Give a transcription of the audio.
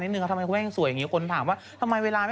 เขาก็อันรถเนมมาแล้ว